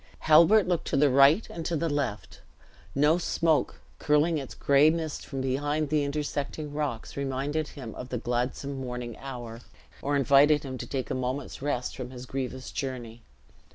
Halbert looked to the right and to the left; no smoke, curling its gray mist from behind the intersecting rocks, reminded him of the gladsome morning hour, or invited him to take a moment's rest from his grievous journey.